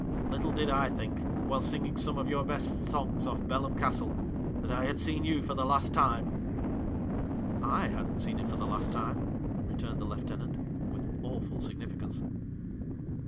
' Little did I think, while singing some of your best songs off Belem Castle, that I had seen you for the last time !'' 1 hadn't seen him for the last time,' re turned the lieutenant, with awful significance.